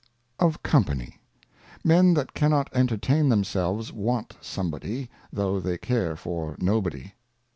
Of Company. MEN that cannot entertain themselves want somebody, though they care for nobody.